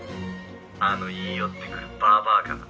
あの言い寄ってくるばばあから。